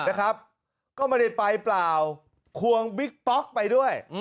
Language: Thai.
นะครับก็ไม่ได้ไปเปล่าควงบิ๊กป๊อกไปด้วย